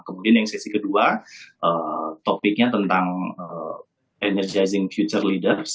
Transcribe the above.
kemudian yang sesi kedua topiknya tentang energizing future leaders